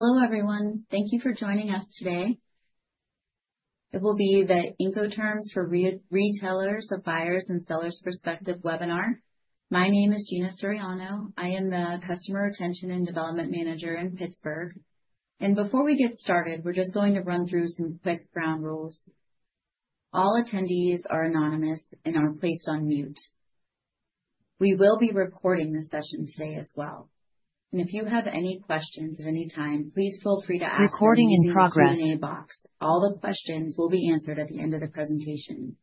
Hello, everyone. Thank you for joining us today. It will be the Incoterms for Retailers: A Buyer's and Seller's Perspective webinar. My name is Gina Suriano. I am the Customer Retention and Development Manager in Pittsburgh, and before we get started, we're just going to run through some quick ground rules. All attendees are anonymous and are placed on mute. We will be recording the session today as well, and if you have any questions at any time, please feel free to ask them in the Q&A box. All the questions will be answered at the end of the presentation.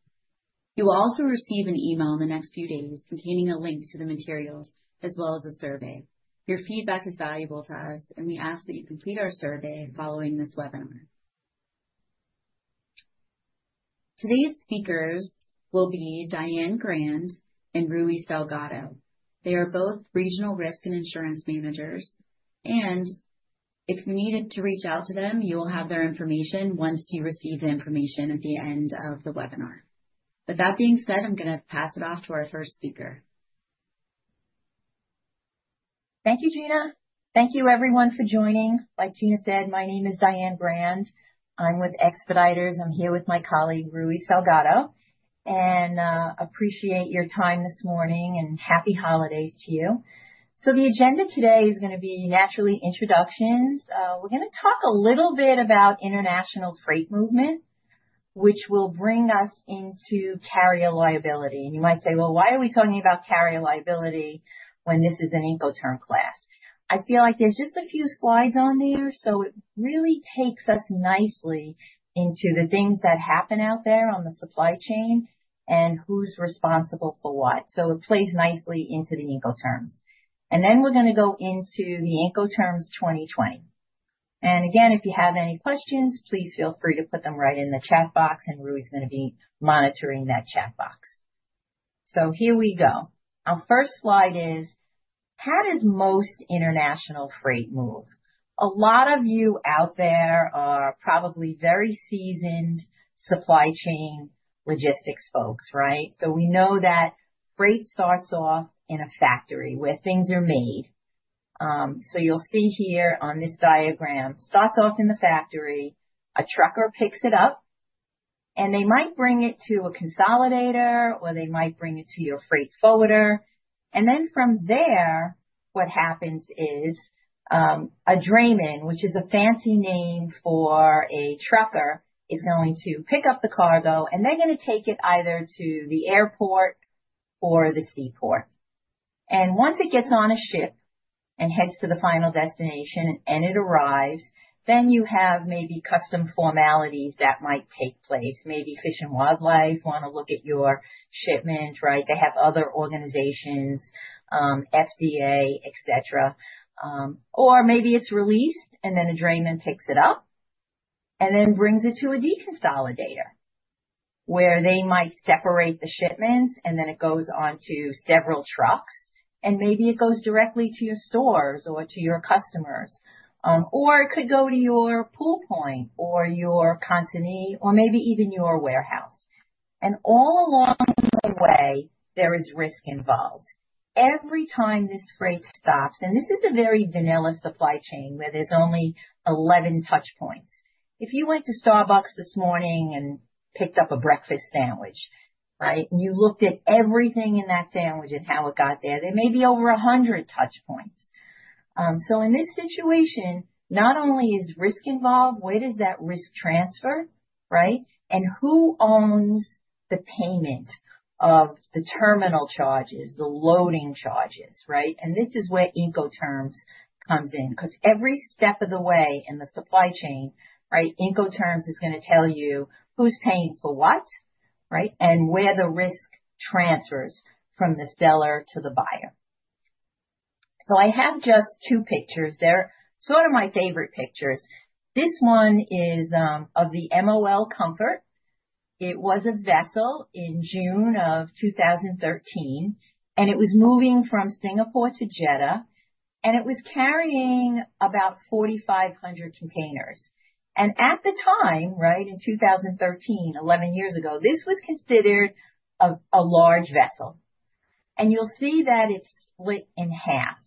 You will also receive an email in the next few days containing a link to the materials as well as a survey. Your feedback is valuable to us, and we ask that you complete our survey following this webinar. Today's speakers will be Diane Grand and Rui Salgado. They are both regional risk and insurance managers. And if you needed to reach out to them, you will have their information once you receive the information at the end of the webinar. But that being said, I'm going to pass it off to our first speaker. Thank you, Gina. Thank you, everyone, for joining. Like Gina said, my name is Diane Grand. I'm with Expeditors. I'm here with my colleague, Rui Salgado, and I appreciate your time this morning and happy holidays to you. So the agenda today is going to be naturally introductions. We're going to talk a little bit about international freight movement, which will bring us into carrier liability. And you might say, well, why are we talking about carrier liability when this is an Incoterms class? I feel like there's just a few slides on there. So it really takes us nicely into the things that happen out there on the supply chain and who's responsible for what. So it plays nicely into the Incoterms. And then we're going to go into the Incoterms 2020. And again, if you have any questions, please feel free to put them right in the chat box, and Rui's going to be monitoring that chat box. So here we go. Our first slide is, how does most international freight move? A lot of you out there are probably very seasoned supply chain logistics folks, right? So we know that freight starts off in a factory where things are made. So you'll see here on this diagram, it starts off in the factory. A trucker picks it up, and they might bring it to a consolidator, or they might bring it to your freight forwarder. And then from there, what happens is a drayman, which is a fancy name for a trucker, is going to pick up the cargo, and they're going to take it either to the airport or the seaport. Once it gets on a ship and heads to the final destination and it arrives, then you have maybe customs formalities that might take place. Maybe Fish and Wildlife want to look at your shipment, right? They have other organizations, FDA, etc. Or maybe it's released, and then a drayman picks it up and then brings it to a deconsolidator where they might separate the shipments, and then it goes on to several trucks, and maybe it goes directly to your stores or to your customers, or it could go to your pool point or your consignee or maybe even your warehouse. And all along the way, there is risk involved. Every time this freight stops, and this is a very vanilla supply chain where there's only 11 touch points. If you went to Starbucks this morning and picked up a breakfast sandwich, right, and you looked at everything in that sandwich and how it got there, there may be over 100 touch points. So in this situation, not only is risk involved, where does that risk transfer, right? And who owns the payment of the terminal charges, the loading charges, right? And this is where Incoterms comes in because every step of the way in the supply chain, right, Incoterms is going to tell you who's paying for what, right, and where the risk transfers from the seller to the buyer. So I have just two pictures. They're sort of my favorite pictures. This one is of the MOL Comfort. It was a vessel in June of 2013, and it was moving from Singapore to Jeddah, and it was carrying about 4,500 containers. At the time, right, in 2013, 11 years ago, this was considered a large vessel. You'll see that it's split in half.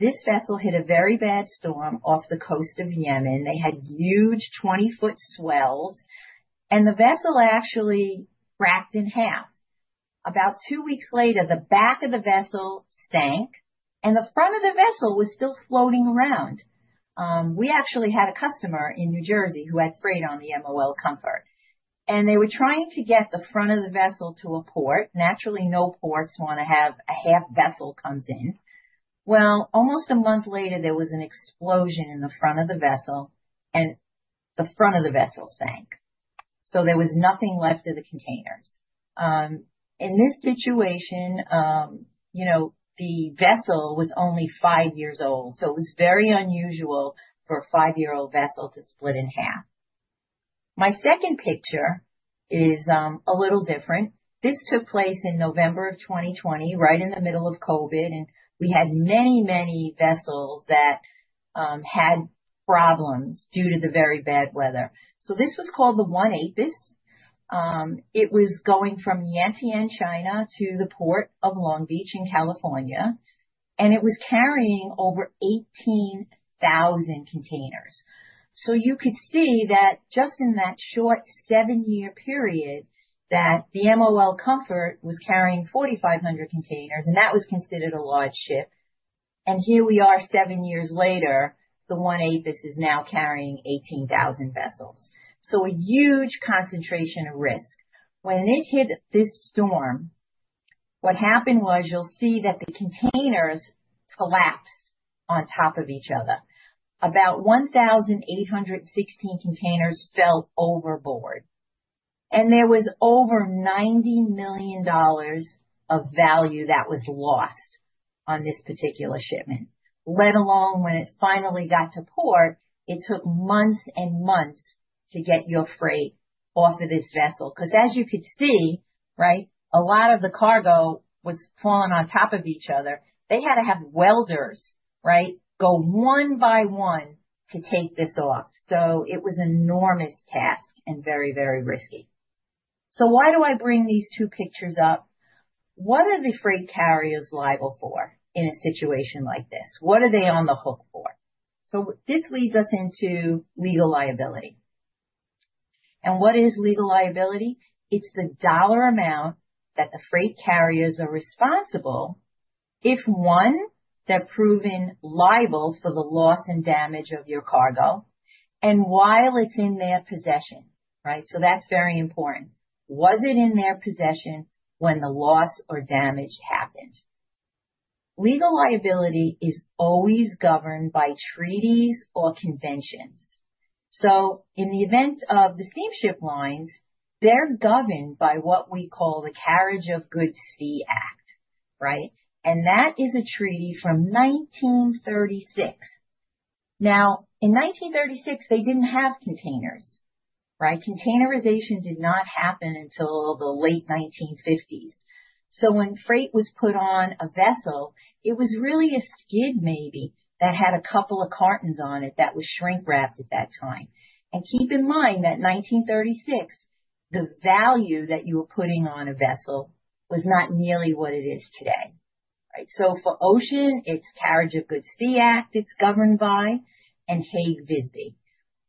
This vessel hit a very bad storm off the coast of Yemen. They had huge 20-foot swells, and the vessel actually cracked in half. About two weeks later, the back of the vessel sank, and the front of the vessel was still floating around. We actually had a customer in New Jersey who had freight on the MOL Comfort, and they were trying to get the front of the vessel to a port. Naturally, no ports want to have a half vessel come in. Almost a month later, there was an explosion in the front of the vessel, and the front of the vessel sank. So there was nothing left of the containers. In this situation, you know, the vessel was only five years old, so it was very unusual for a five-year-old vessel to split in half. My second picture is a little different. This took place in November of 2020, right in the middle of COVID, and we had many, many vessels that had problems due to the very bad weather. So this was called the ONE Apus. It was going from Yantian, in China, to the port of Long Beach, in California, and it was carrying over 18,000 containers. So you could see that just in that short seven-year period that the MOL Comfort was carrying 4,500 containers, and that was considered a large ship. And here we are, seven years later, the ONE Apus is now carrying 18,000 vessels. So a huge concentration of risk. When it hit this storm, what happened was you'll see that the containers collapsed on top of each other. About 1,816 containers fell overboard, and there was over $90 million of value that was lost on this particular shipment, let alone when it finally got to port. It took months and months to get your freight off of this vessel because, as you could see, right, a lot of the cargo was falling on top of each other. They had to have welders, right, go one by one to take this off. So it was an enormous task and very, very risky, so why do I bring these two pictures up? What are the freight carriers liable for in a situation like this? What are they on the hook for, so this leads us into legal liability, and what is legal liability? It's the dollar amount that the freight carriers are responsible if one, they're proven liable for the loss and damage of your cargo and while it's in their possession, right? So that's very important. Was it in their possession when the loss or damage happened? Legal liability is always governed by treaties or conventions. In the event of the steamship lines, they're governed by what we call the Carriage of Goods by Sea Act, right? That is a treaty from 1936. In 1936, they didn't have containers, right? Containerization did not happen until the late 1950s. When freight was put on a vessel, it was really a skid, maybe, that had a couple of cartons on it that were shrink-wrapped at that time. Keep in mind that in 1936, the value that you were putting on a vessel was not nearly what it is today, right? So for ocean, it's Carriage of Goods by Sea Act. It's governed by and Hague-Visby.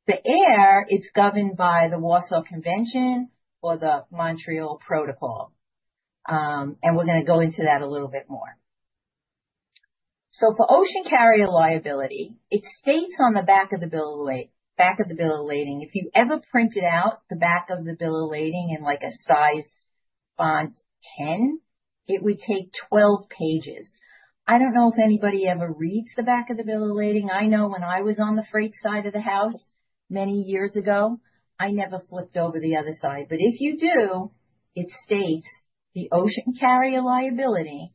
The air, it's governed by the Warsaw Convention or the Montreal Protocol. And we're going to go into that a little bit more. So for ocean carrier liability, it states on the back of the bill of lading, if you ever printed out the back of the bill of lading in like a size 10 font, it would take 12 pages. I don't know if anybody ever reads the back of the bill of lading. I know when I was on the freight side of the house many years ago, I never flipped over the other side. But if you do, it states the ocean carrier liability,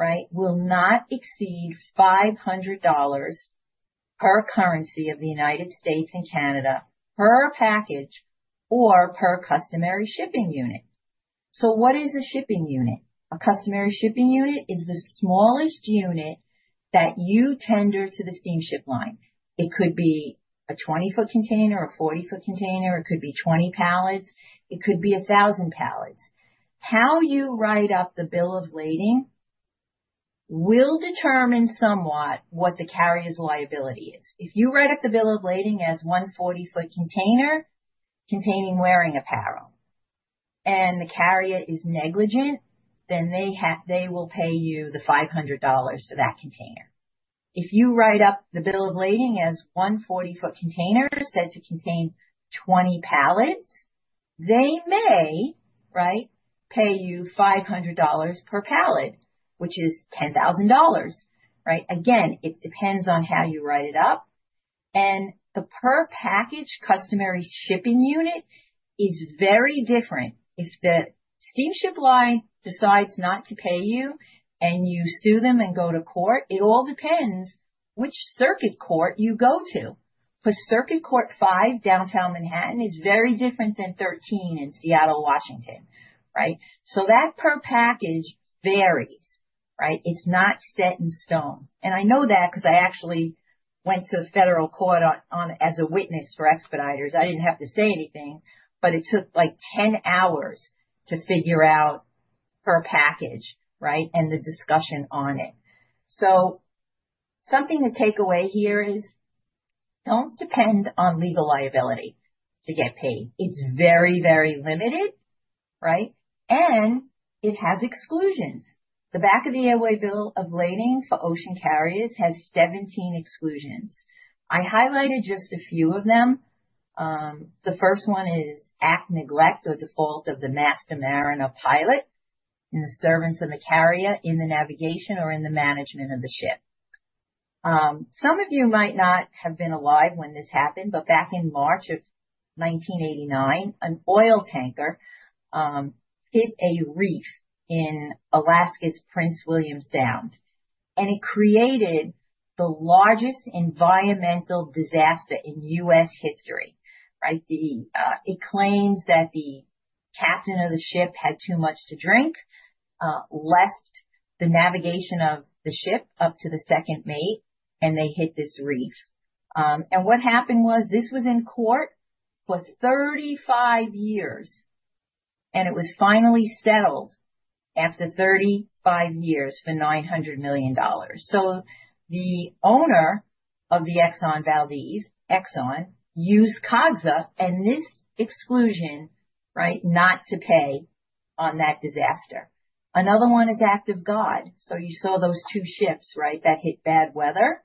right, will not exceed $500 per currency of the United States and Canada per package or per customary shipping unit. So what is a shipping unit? A customary shipping unit is the smallest unit that you tender to the steamship line. It could be a 20-foot container, a 40-foot container. It could be 20 pallets. It could be 1,000 pallets. How you write up the bill of lading will determine somewhat what the carrier's liability is. If you write up the bill of lading as one 40-foot container containing wearing apparel and the carrier is negligent, then they will pay you the $500 for that container. If you write up the bill of lading as one 40-foot container said to contain 20 pallets, they may, right, pay you $500 per pallet, which is $10,000, right? Again, it depends on how you write it up. And the per package customary shipping unit is very different. If the steamship line decides not to pay you and you sue them and go to court, it all depends which circuit court you go to. For Circuit Court 5, downtown Manhattan, is very different than 13 in Seattle, Washington, right? So that per package varies, right? It's not set in stone. And I know that because I actually went to federal court as a witness for Expeditors. I didn't have to say anything, but it took like 10 hours to figure out per package, right, and the discussion on it. So something to take away here is don't depend on legal liability to get paid. It's very, very limited, right? And it has exclusions. The back of the airway bill of lading for ocean carriers has 17 exclusions. I highlighted just a few of them. The first one is act, neglect or default of the master, the mariner, pilot, and the servants of the carrier in the navigation or in the management of the ship. Some of you might not have been alive when this happened, but back in March of 1989, an oil tanker hit a reef in Alaska's Prince William Sound, and it created the largest environmental disaster in U.S. history, right? It claims that the captain of the ship had too much to drink, left the navigation of the ship up to the second mate, and they hit this reef, and what happened was this was in court for 35 years, and it was finally settled after 35 years for $900 million, so the owner of the Exxon Valdez, Exxon, used COGSA and this exclusion, right, not to pay on that disaster. Another one is act of God. You saw those two ships, right, that hit bad weather.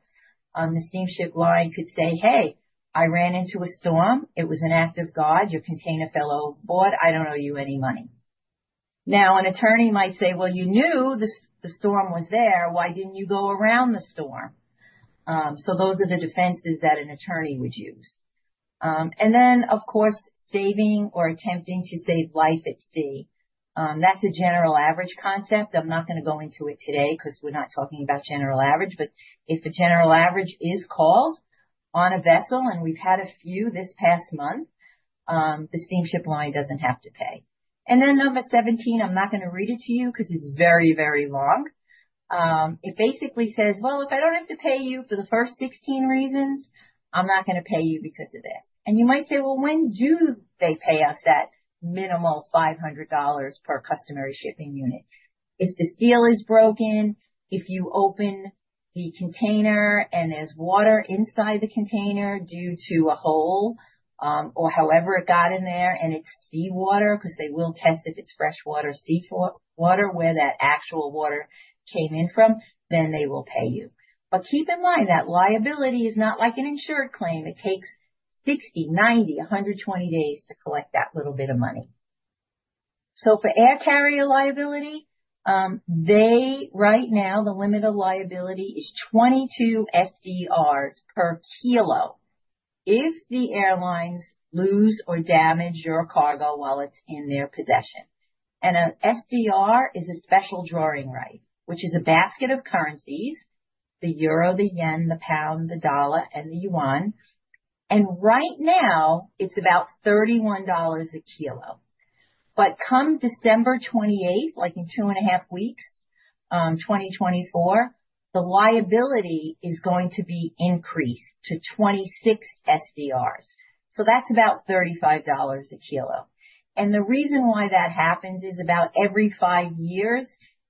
The steamship line could say, "Hey, I ran into a storm. It was an act of God. Your container fell overboard. I don't owe you any money." Now, an attorney might say, "Well, you knew the storm was there. Why didn't you go around the storm?" Those are the defenses that an attorney would use. Then, of course, saving or attempting to save life at sea. That's a General Average concept. I'm not going to go into it today because we're not talking about General Average, but if a General Average is called on a vessel, and we've had a few this past month, the steamship line doesn't have to pay. Then number 17, I'm not going to read it to you because it's very, very long. It basically says, "Well, if I don't have to pay you for the first 16 reasons, I'm not going to pay you because of this." And you might say, "Well, when do they pay us that minimal $500 per customary shipping unit?" If the seal is broken, if you open the container and there's water inside the container due to a hole or however it got in there, and it's seawater because they will test if it's freshwater or seawater where that actual water came in from, then they will pay you. But keep in mind that liability is not like an insured claim. It takes 60, 90, 120 days to collect that little bit of money. So for air carrier liability, right now, the limit of liability is 22 SDRs per kilo if the airlines lose or damage your cargo while it's in their possession. An SDR is a special drawing right, which is a basket of currencies: the euro, the yen, the pound, the dollar, and the yuan. Right now, it's about $31 a kilo. But come December 28th, like in two and a half weeks, 2024, the liability is going to be increased to 26 SDRs. So that's about $35 a kilo. The reason why that happens is about every five years,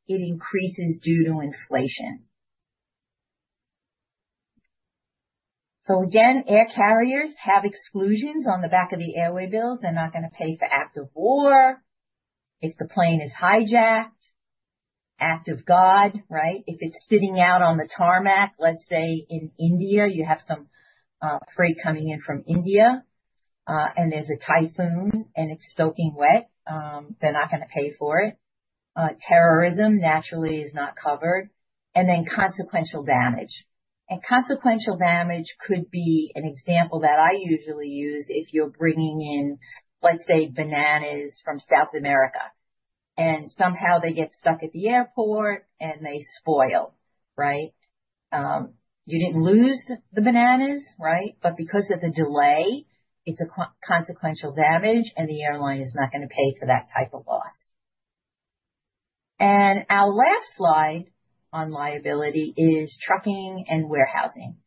it increases due to inflation. Again, air carriers have exclusions on the back of the airway bills. They're not going to pay for act of war if the plane is hijacked, act of God, right? If it's sitting out on the tarmac, let's say in India, you have some freight coming in from India and there's a typhoon and it's soaking wet, they're not going to pay for it. Terrorism, naturally, is not covered. Consequential damage. Consequential damage could be an example that I usually use if you're bringing in, let's say, bananas from South America, and somehow they get stuck at the airport and they spoil, right? You didn't lose the bananas, right? But because of the delay, it's a consequential damage, and the airline is not going to pay for that type of loss. Our last slide on liability is trucking and warehousing.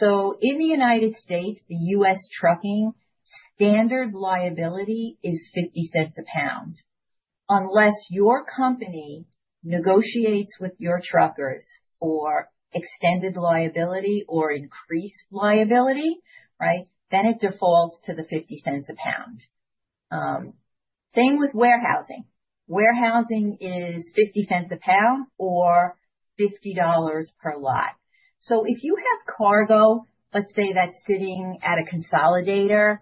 In the United States, the U.S. trucking standard liability is 50 cents a pound. Unless your company negotiates with your truckers for extended liability or increased liability, right, then it defaults to the 50 cents a pound. Same with warehousing. Warehousing is 50 cents a pound or $50 per lot. So if you have cargo, let's say that's sitting at a consolidator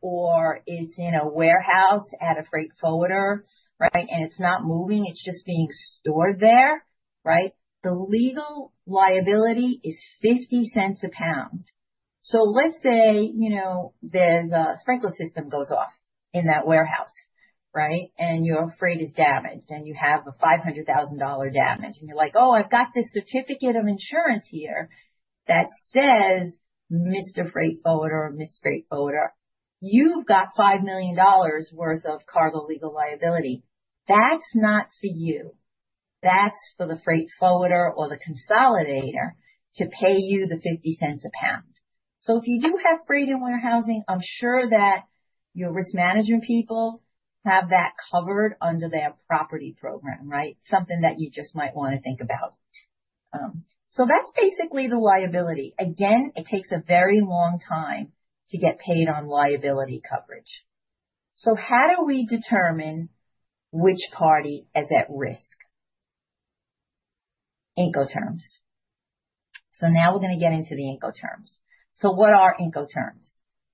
or is in a warehouse at a freight forwarder, right, and it's not moving, it's just being stored there, right? The legal liability is 50 cents a pound. So let's say, you know, there's a sprinkler system goes off in that warehouse, right? And your freight is damaged, and you have a $500,000 damage, and you're like, "Oh, I've got this certificate of insurance here that says, Mr. Freight Forwarder or Ms. Freight Forwarder, you've got $5 million worth of cargo legal liability." That's not for you. That's for the freight forwarder or the consolidator to pay you the 50 cents a pound. So if you do have freight and warehousing, I'm sure that your risk management people have that covered under their property program, right? Something that you just might want to think about. That's basically the liability. Again, it takes a very long time to get paid on liability coverage. How do we determine which party is at risk? Incoterms. Now we're going to get into the Incoterms. What are Incoterms?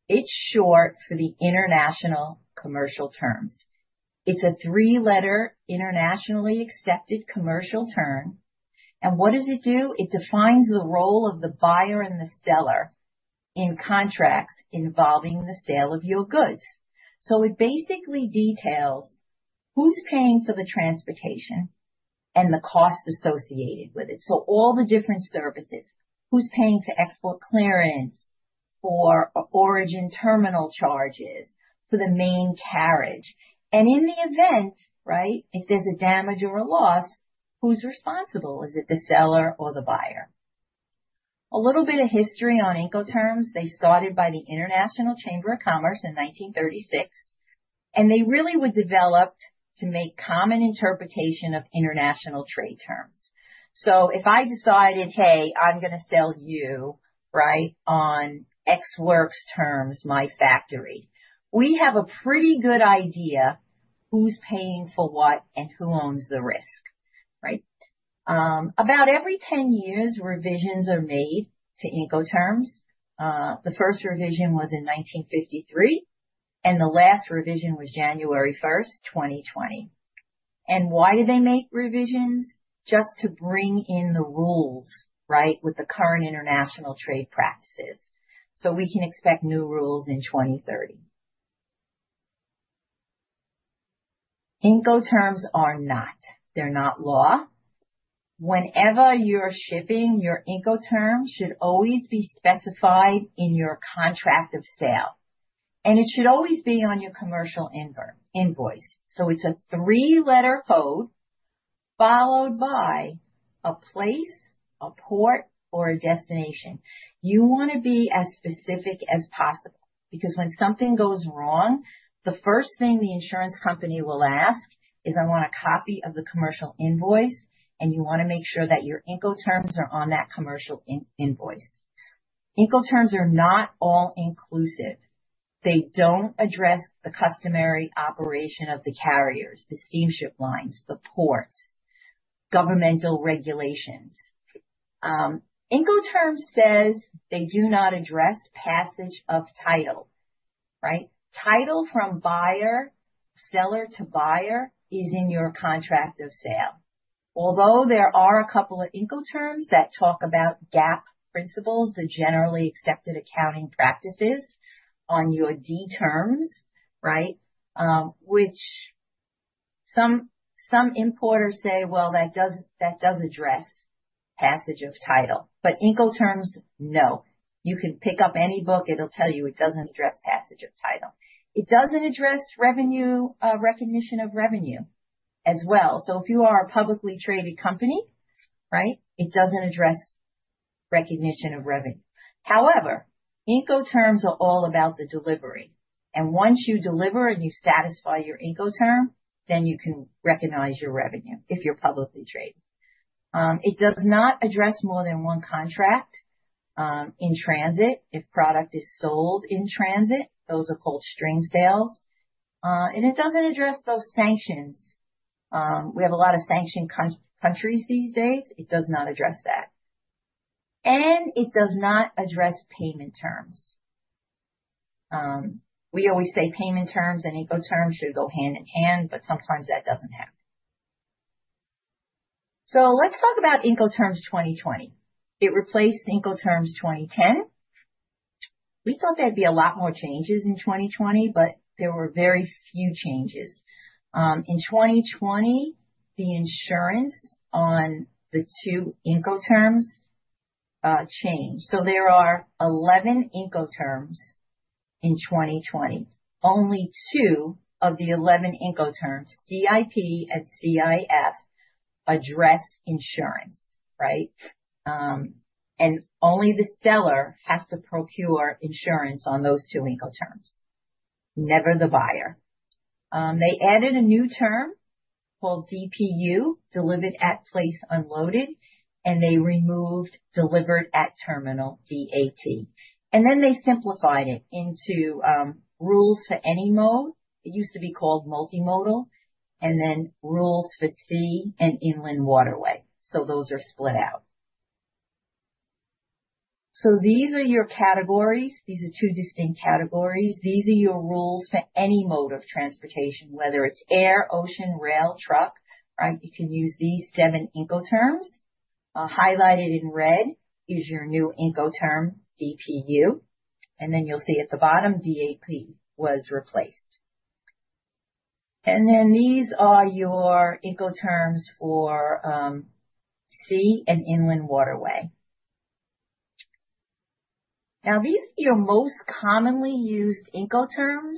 It's short for the International Commercial Terms. It's a three-letter internationally accepted commercial term. And what does it do? It defines the role of the buyer and the seller in contracts involving the sale of your goods. It basically details who's paying for the transportation and the cost associated with it. All the different services, who's paying for export clearance, for origin terminal charges, for the main carriage. And in the event, right, if there's a damage or a loss, who's responsible? Is it the seller or the buyer? A little bit of history on Incoterms. They started by the International Chamber of Commerce in 1936. They really were developed to make common interpretation of international trade terms. If I decided, "Hey, I'm going to sell you, right, on Ex Works terms, my factory," we have a pretty good idea who's paying for what and who owns the risk, right? About every 10 years, revisions are made to Incoterms. The first revision was in 1953, and the last revision was January 1st, 2020. Why did they make revisions? Just to bring in the rules, right, with the current international trade practices. We can expect new rules in 2030. Incoterms are not. They're not law. Whenever you're shipping, your Incoterms should always be specified in your contract of sale. It should always be on your commercial invoice. It's a three-letter code followed by a place, a port, or a destination. You want to be as specific as possible because when something goes wrong, the first thing the insurance company will ask is, "I want a copy of the commercial invoice," and you want to make sure that your Incoterms are on that commercial invoice. Incoterms are not all-inclusive. They don't address the customary operation of the carriers, the steamship lines, the ports, governmental regulations. Incoterms says they do not address passage of title, right? Title from buyer, seller to buyer is in your contract of sale. Although there are a couple of Incoterms that talk about GAAP principles, the generally accepted accounting practices on your D terms, right, which some importers say, "Well, that does address passage of title." But Incoterms, no. You can pick up any book. It'll tell you it doesn't address passage of title. It doesn't address recognition of revenue as well. So if you are a publicly traded company, right, it doesn't address recognition of revenue. However, Incoterms are all about the delivery. And once you deliver and you satisfy your Incoterm, then you can recognize your revenue if you're publicly traded. It does not address more than one contract in transit. If product is sold in transit, those are called string sales. And it doesn't address those sanctions. We have a lot of sanctioned countries these days. It does not address that. And it does not address payment terms. We always say payment terms and Incoterms should go hand in hand, but sometimes that doesn't happen. So let's talk about Incoterms 2020. It replaced Incoterms 2010. We thought there'd be a lot more changes in 2020, but there were very few changes. In 2020, the insurance on the two Incoterms changed. So there are 11 Incoterms in 2020. Only two of the 11 Incoterms, CIP and CIF, address insurance, right? And only the seller has to procure insurance on those two Incoterms, never the buyer. They added a new term called DPU, delivered at place unloaded, and they removed delivered at terminal, DAT. And then they simplified it into rules for any mode. It used to be called multimodal, and then rules for sea and inland waterway. So those are split out. So these are your categories. These are two distinct categories. These are your rules for any mode of transportation, whether it's air, ocean, rail, truck, right? You can use these seven Incoterms. Highlighted in red is your new Incoterm, DPU. And then you'll see at the bottom, DAT was replaced. And then these are your Incoterms for sea and inland waterway. Now, these are your most commonly used Incoterms,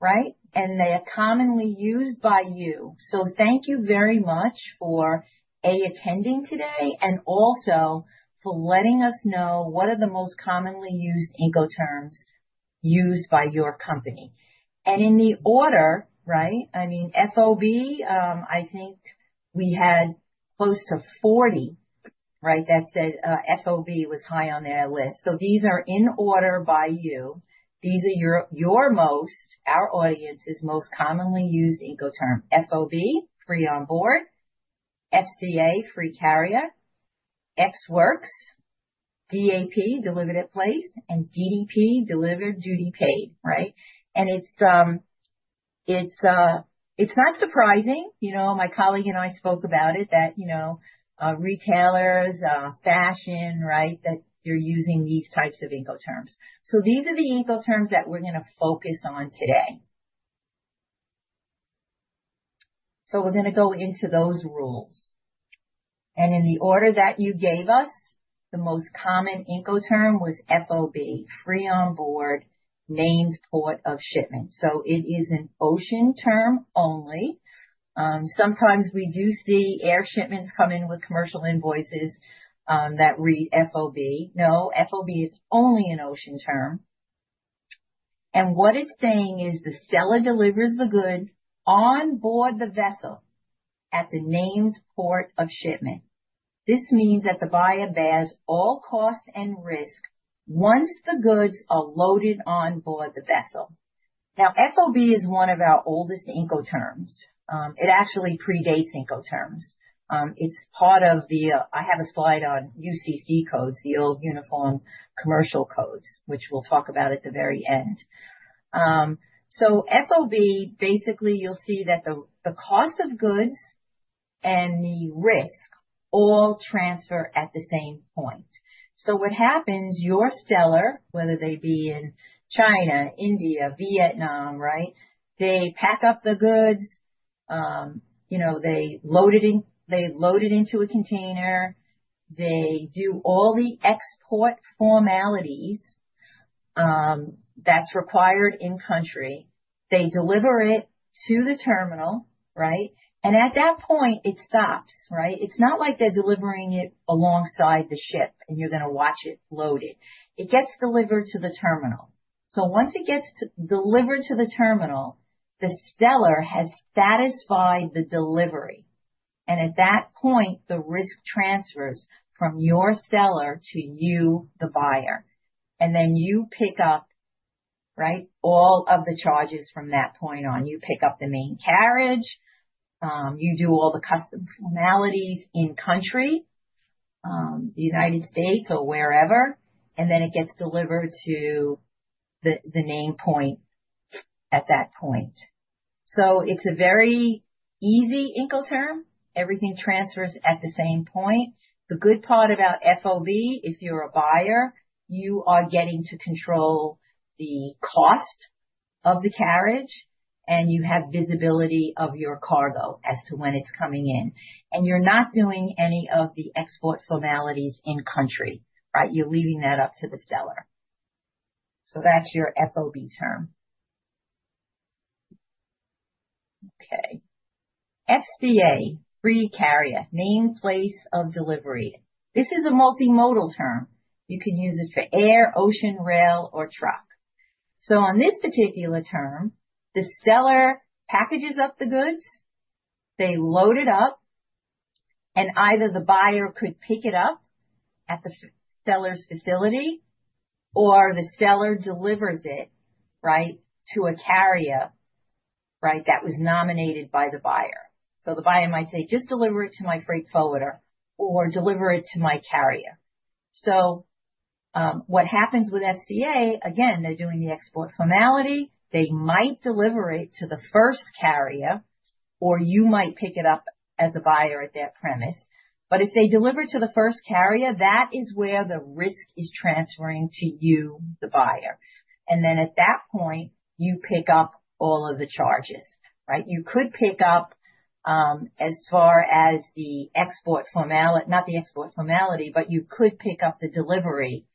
right? They are commonly used by you. So thank you very much for attending today and also for letting us know what are the most commonly used Incoterms used by your company. And in the order, right, I mean, FOB, I think we had close to 40, right, that said FOB was high on their list. So these are in order by you. These are your most, our audience's most commonly used Incoterms: FOB, free on board; FCA, free carrier; Ex Works; DAP, delivered at place; and DDP, delivered duty paid, right? And it's not surprising. My colleague and I spoke about it, that retailers, fashion, right, that they're using these types of Incoterms. So these are the Incoterms that we're going to focus on today. So we're going to go into those rules. In the order that you gave us, the most common Incoterm was FOB, free on board, named port of shipment. It is an ocean term only. Sometimes we do see air shipments come in with commercial invoices that read FOB. No, FOB is only an ocean term. What it's saying is the seller delivers the good on board the vessel at the named port of shipment. This means that the buyer bears all costs and risks once the goods are loaded on board the vessel. Now, FOB is one of our oldest Incoterms. It actually predates Incoterms. It's part of the. I have a slide on UCC codes, the old Uniform Commercial Code, which we'll talk about at the very end. FOB, basically, you'll see that the cost of goods and the risk all transfer at the same point. What happens? Your seller, whether they be in China, India, Vietnam, right, they pack up the goods. They load it into a container. They do all the export formalities that's required in country. They deliver it to the terminal, right? And at that point, it stops, right? It's not like they're delivering it alongside the ship and you're going to watch it load it. It gets delivered to the terminal. Once it gets delivered to the terminal, the seller has satisfied the delivery. And at that point, the risk transfers from your seller to you, the buyer. And then you pick up, right, all of the charges from that point on. You pick up the main carriage. You do all the customs formalities in country, the United States or wherever. And then it gets delivered to the named point at that point. It's a very easy Incoterm. Everything transfers at the same point. The good part about FOB, if you're a buyer, you are getting to control the cost of the carriage, and you have visibility of your cargo as to when it's coming in, and you're not doing any of the export formalities in country, right? You're leaving that up to the seller, so that's your FOB term. Okay. FCA, free carrier, named place of delivery. This is a multimodal term. You can use it for air, ocean, rail, or truck, so on this particular term, the seller packages up the goods. They load it up, and either the buyer could pick it up at the seller's facility or the seller delivers it, right, to a carrier, right, that was nominated by the buyer. The buyer might say, "Just deliver it to my freight forwarder or deliver it to my carrier." What happens with FCA, again, they're doing the export formality. They might deliver it to the first carrier, or you might pick it up as a buyer at their premises. But if they deliver it to the first carrier, that is where the risk is transferring to you, the buyer. Then at that point, you pick up all of the charges, right? You could pick up, as far as the export formality—not the export formality, but you could pick up the delivery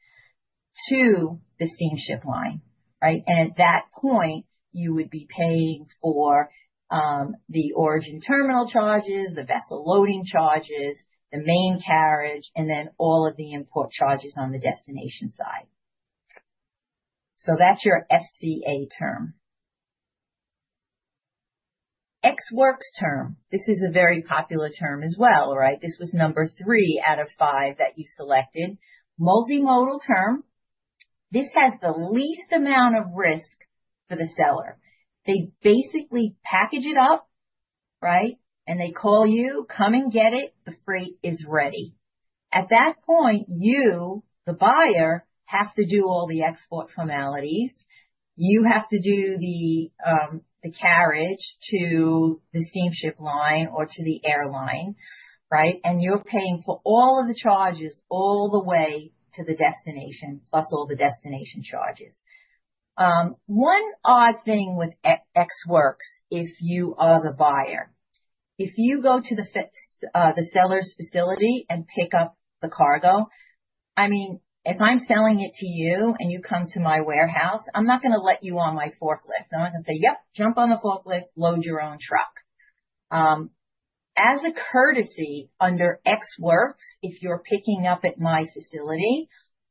to the steamship line, right? At that point, you would be paying for the origin terminal charges, the vessel loading charges, the main carriage, and then all of the import charges on the destination side. That's your FCA term. Ex Works term. This is a very popular term as well, right? This was number three out of five that you selected. Multimodal term. This has the least amount of risk for the seller. They basically package it up, right, and they call you, "Come and get it. The freight is ready." At that point, you, the buyer, have to do all the export formalities. You have to do the carriage to the steamship line or to the airline, right? And you're paying for all of the charges all the way to the destination, plus all the destination charges. One odd thing with Ex Works, if you are the buyer, if you go to the seller's facility and pick up the cargo, I mean, if I'm selling it to you and you come to my warehouse, I'm not going to let you on my forklift. I'm not going to say, "Yep, jump on the forklift, load your own truck." As a courtesy under Ex Works, if you're picking up at my facility,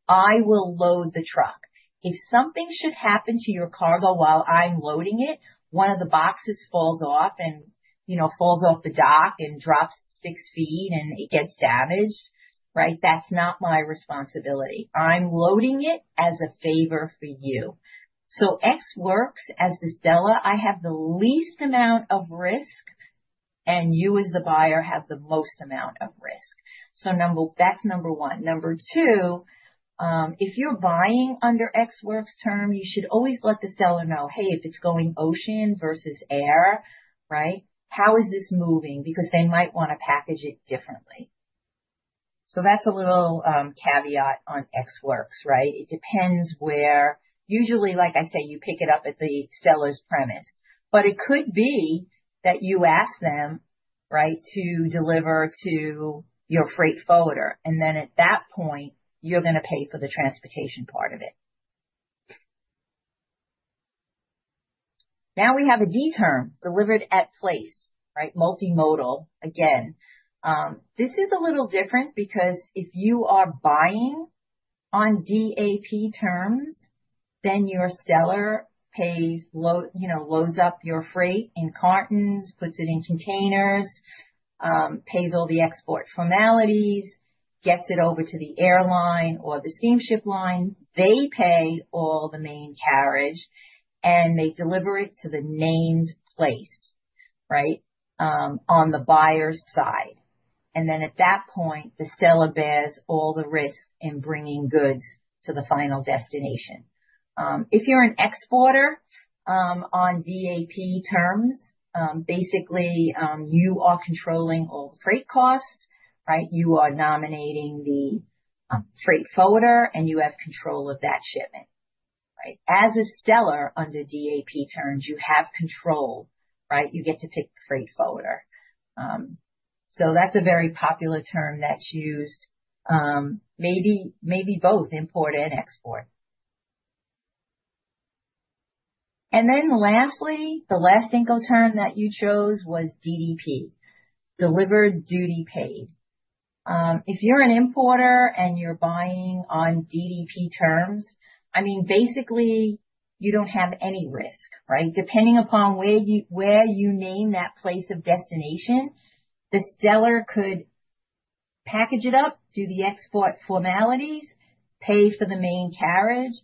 I will load the truck. If something should happen to your cargo while I'm loading it, one of the boxes falls off and falls off the dock and drops six feet and it gets damaged, right? That's not my responsibility. I'm loading it as a favor for you. So Ex Works, as the seller, I have the least amount of risk, and you as the buyer have the most amount of risk. So that's number one. Number two, if you're buying under Ex Works term, you should always let the seller know, "Hey, if it's going ocean versus air, right, how is this moving?" Because they might want to package it differently. So that's a little caveat on Ex Works, right? It depends where. Usually, like I say, you pick it up at the seller's premises. But it could be that you ask them, right, to deliver to your freight forwarder. And then at that point, you're going to pay for the transportation part of it. Now we have a D term, delivered at place, right? Multimodal, again. This is a little different because if you are buying on DAP terms, then your seller loads up your freight in cartons, puts it in containers, pays all the export formalities, gets it over to the airline or the steamship line. They pay all the main carriage, and they deliver it to the named place, right, on the buyer's side. And then at that point, the seller bears all the risk in bringing goods to the final destination. If you're an exporter on DAP terms, basically, you are controlling all the freight costs, right? You are nominating the freight forwarder, and you have control of that shipment, right? As a seller under DAP terms, you have control, right? You get to pick the freight forwarder. So that's a very popular term that's used, maybe both import and export. And then lastly, the last Incoterm that you chose was DDP, delivered duty paid. If you're an importer and you're buying on DDP terms, I mean, basically, you don't have any risk, right? Depending upon where you name that place of destination, the seller could package it up, do the export formalities, pay for the main carriage,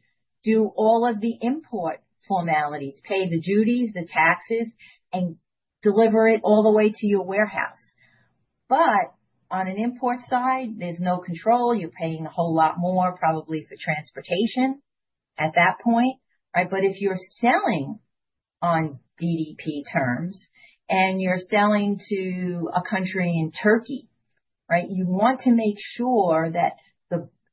do all of the import formalities, pay the duties, the taxes, and deliver it all the way to your warehouse. But on an import side, there's no control. You're paying a whole lot more, probably for transportation at that point, right? But if you're selling on DDP terms and you're selling to a country in Turkey, right, you want to make sure that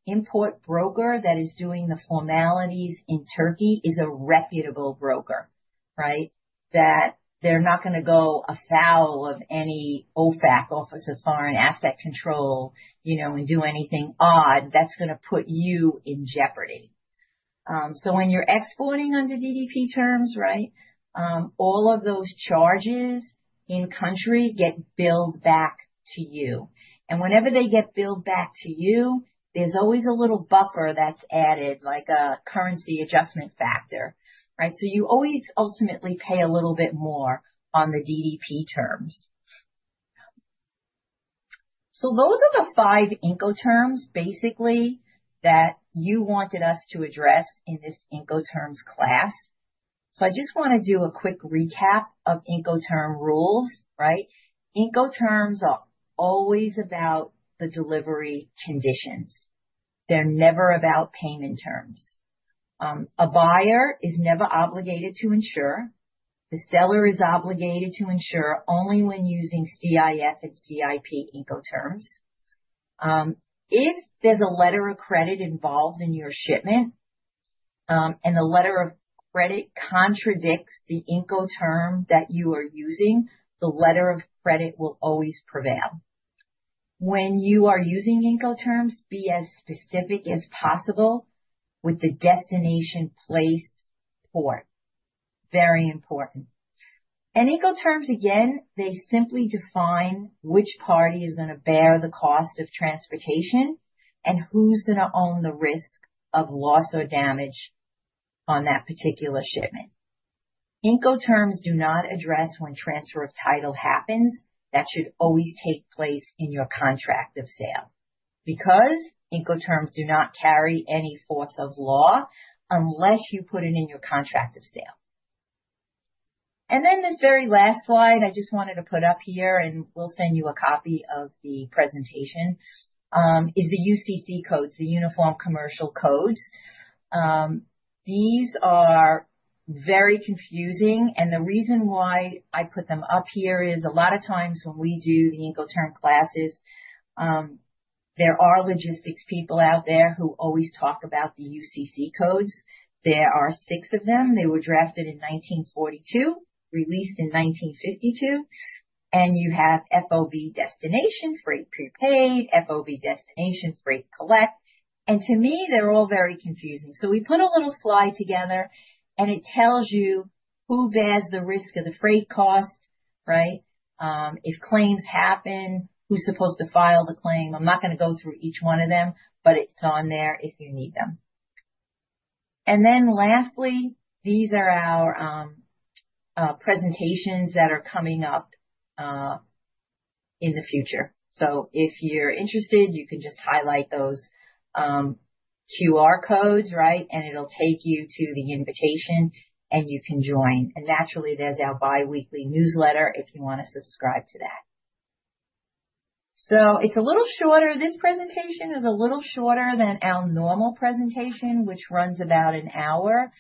the import broker that is doing the formalities in Turkey is a reputable broker, right? That they're not going to go afoul of any OFAC, Office of Foreign Assets Control, and do anything odd that's going to put you in jeopardy. So when you're exporting under DDP terms, right, all of those charges in country get billed back to you. And whenever they get billed back to you, there's always a little buffer that's added, like a currency adjustment factor, right? So you always ultimately pay a little bit more on the DDP terms. So those are the five Incoterms, basically, that you wanted us to address in this Incoterms class. I just want to do a quick recap of Incoterms rules, right? Incoterms are always about the delivery conditions. They're never about payment terms. A buyer is never obligated to insure. The seller is obligated to insure only when using CIF and CIP Incoterms. If there's a letter of credit involved in your shipment and the letter of credit contradicts the Incoterms that you are using, the letter of credit will always prevail. When you are using Incoterms, be as specific as possible with the destination place port. Very important. Incoterms, again, they simply define which party is going to bear the cost of transportation and who's going to own the risk of loss or damage on that particular shipment. Incoterms do not address when transfer of title happens. That should always take place in your contract of sale because Incoterms do not carry any force of law unless you put it in your contract of sale. And then this very last slide I just wanted to put up here, and we'll send you a copy of the presentation, is the UCC codes, the Uniform Commercial Code. These are very confusing. And the reason why I put them up here is a lot of times when we do the Incoterm classes, there are logistics people out there who always talk about the UCC codes. There are six of them. They were drafted in 1942, released in 1952. And you have FOB destination freight prepaid, FOB destination freight collect. And to me, they're all very confusing. So we put a little slide together, and it tells you who bears the risk of the freight cost, right? If claims happen, who's supposed to file the claim? I'm not going to go through each one of them, but it's on there if you need them. And then lastly, these are our presentations that are coming up in the future. So if you're interested, you can just highlight those QR codes, right? And it'll take you to the invitation, and you can join. And naturally, there's our biweekly newsletter if you want to subscribe to that. So it's a little shorter. This presentation is a little shorter than our normal presentation, which runs about an hour.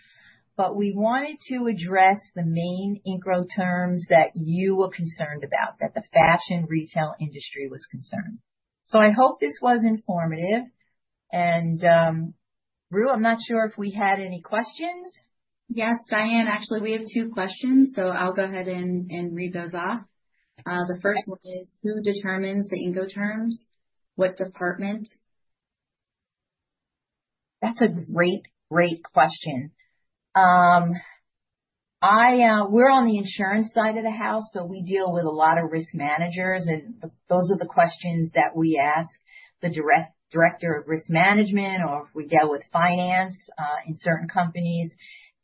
But we wanted to address the main Incoterms that you were concerned about, that the fashion retail industry was concerned. So I hope this was informative. And, Rui, I'm not sure if we had any questions. Yes, Diane, actually, we have two questions, so I'll go ahead and read those off. The first one is, who determines the Incoterms? What department? That's a great, great question. We're on the insurance side of the house, so we deal with a lot of risk managers. And those are the questions that we ask the director of risk management or if we deal with finance in certain companies.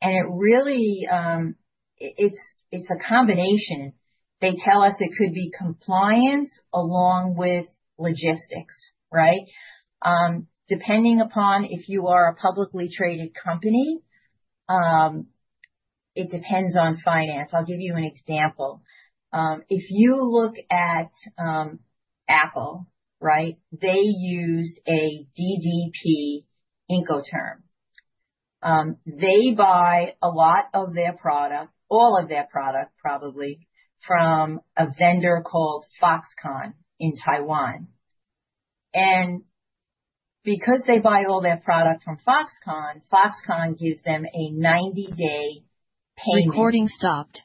And it's a combination. They tell us it could be compliance along with logistics, right? Depending upon if you are a publicly traded company, it depends on finance. I'll give you an example. If you look at Apple, right, they use a DDP Incoterm. They buy a lot of their product, all of their product, probably, from a vendor called Foxconn in Taiwan. And because they buy all their product from Foxconn, Foxconn gives them a 90-day payment. Recording stopped.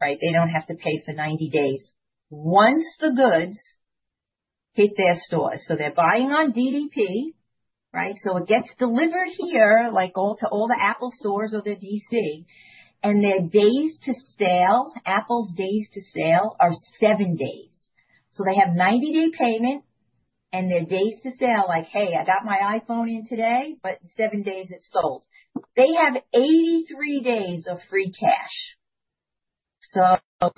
Right? They don't have to pay for 90 days. Once the goods hit their stores, so they're buying on DDP, right? So it gets delivered here to all the Apple stores over DC. And their days to sale, Apple's days to sale are seven days. So they have 90-day payment, and their days to sale like, "Hey, I got my iPhone in today, but in seven days, it's sold." They have 83 days of free cash. So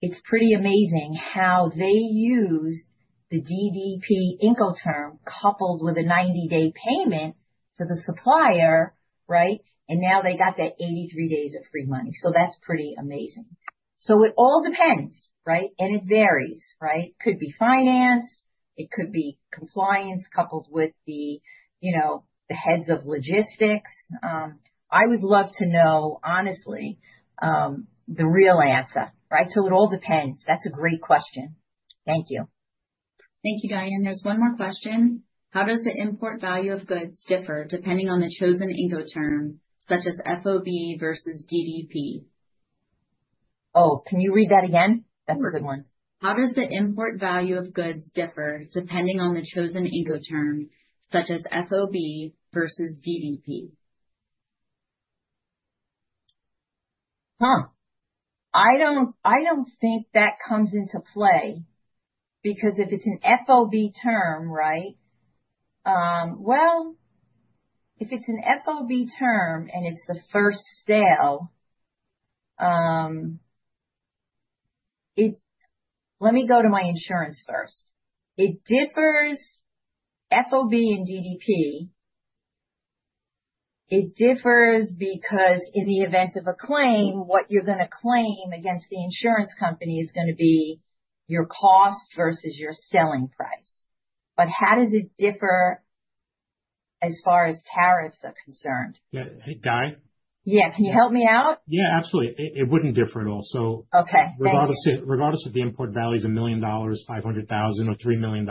it's pretty amazing how they used the DDP Incoterm coupled with a 90-day payment to the supplier, right? And now they got that 83 days of free money. So that's pretty amazing. So it all depends, right? And it varies, right? It could be finance. It could be compliance coupled with the heads of logistics. I would love to know, honestly, the real answer, right? So it all depends. That's a great question. Thank you. Thank you, Diane. There's one more question. How does the import value of goods differ depending on the chosen Incoterm, such as FOB versus DDP? Oh, can you read that again? That's a good one. How does the import value of goods differ depending on the chosen Incoterm, such as FOB versus DDP? I don't think that comes into play because if it's an FOB term, right? Well, if it's an FOB term and it's the first sale, let me go to my insurance first. It differs FOB and DDP. It differs because in the event of a claim, what you're going to claim against the insurance company is going to be your cost versus your selling price. But how does it differ as far as tariffs are concerned? Yeah. Hey, Diane? Yeah. Can you help me out? Yeah, absolutely. It wouldn't differ at all. So regardless of the import value, it's $1 million, $500,000, or $3 million.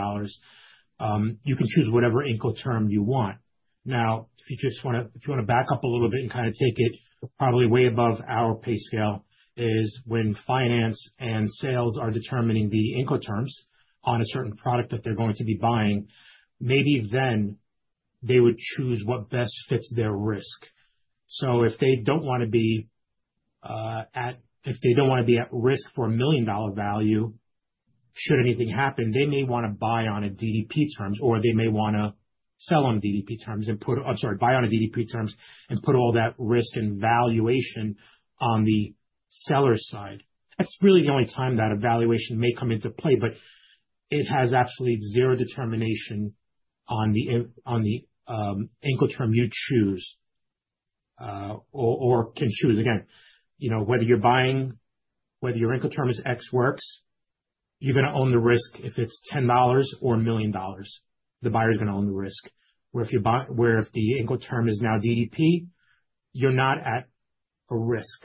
You can choose whatever Incoterm you want. Now, if you just want to back up a little bit and kind of take it probably way above our pay scale, is when finance and sales are determining the Incoterms on a certain product that they're going to be buying, maybe then they would choose what best fits their risk. So if they don't want to be at risk for a million-dollar value, should anything happen, they may want to buy on a DDP terms, or they may want to sell on DDP terms and put I'm sorry, buy on a DDP terms and put all that risk and valuation on the seller's side. That's really the only time that a valuation may come into play. But it has absolutely zero determination on the Incoterm you choose or can choose. Again, whether you're buying, whether your Incoterm is Ex Works, you're going to own the risk if it's $10 or $1 million. The buyer is going to own the risk. Where if the Incoterm is now DDP, you're not at a risk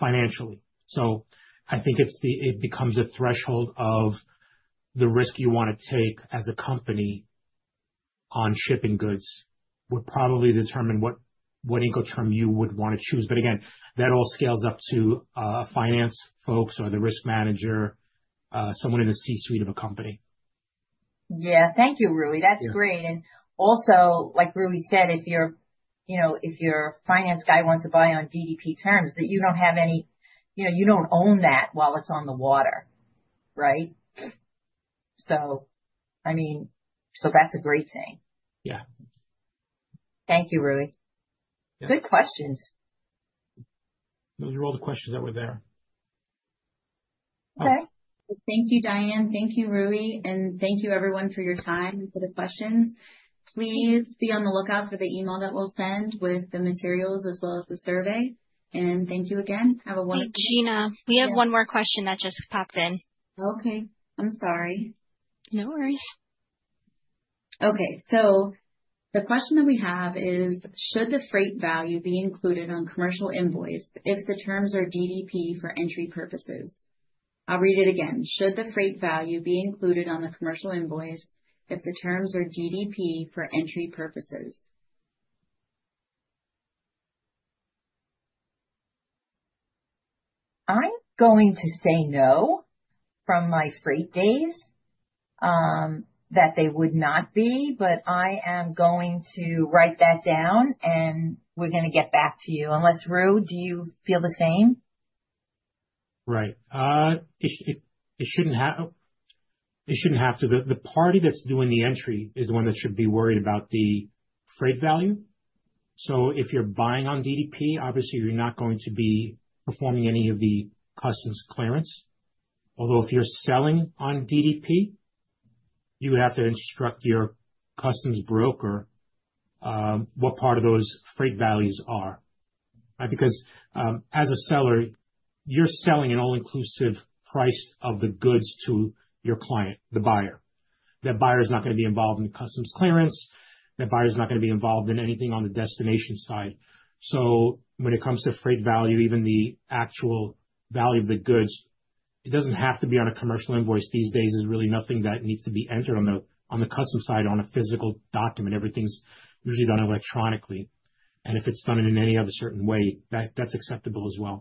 financially. So I think it becomes a threshold of the risk you want to take as a company on shipping goods would probably determine what Incoterm you would want to choose. But again, that all scales up to finance folks or the risk manager, someone in the C-suite of a company. Yeah. Thank you, Rui. That's great. And also, like Rui said, if your finance guy wants to buy on DDP terms, that you don't have any, you don't own that while it's on the water, right? So, I mean, that's a great thing. Yeah. Thank you, Rui. Good questions. Those are all the questions that were there. Okay. Thank you, Diane. Thank you, Rui. And thank you, everyone, for your time and for the questions. Please be on the lookout for the email that we'll send with the materials as well as the survey, and thank you again. Have a wonderful day. Thank you, Gina. We have one more question that just popped in. Okay. I'm sorry. No worries. Okay. So the question that we have is, should the freight value be included on commercial invoice if the terms are DDP for entry purposes? I'll read it again. Should the freight value be included on the commercial invoice if the terms are DDP for entry purposes? I'm going to say no from my freight days that they would not be, but I am going to write that down, and we're going to get back to you. Unless, Rui, do you feel the same? Right. It shouldn't have to. The party that's doing the entry is the one that should be worried about the freight value. So if you're buying on DDP, obviously, you're not going to be performing any of the customs clearance. Although if you're selling on DDP, you would have to instruct your customs broker what part of those freight values are, right? Because as a seller, you're selling an all-inclusive price of the goods to your client, the buyer. That buyer is not going to be involved in the customs clearance. That buyer is not going to be involved in anything on the destination side. So when it comes to freight value, even the actual value of the goods, it doesn't have to be on a commercial invoice. These days, there's really nothing that needs to be entered on the customs side on a physical document. Everything's usually done electronically. If it's done in any other certain way, that's acceptable as well.